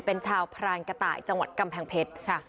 เป็นชาวพรานกระต่ายจังหวัดกำแพงเพชร